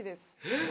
えっ！